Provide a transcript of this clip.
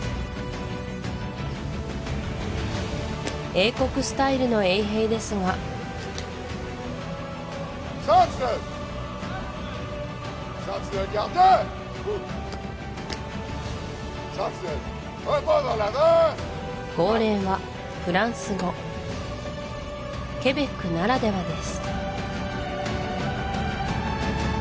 英国スタイルの衛兵ですが号令はフランス語ケベックならではです